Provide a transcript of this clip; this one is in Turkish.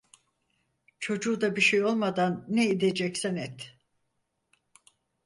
Çocuğu da bir şey olmadan ne ideceksen et!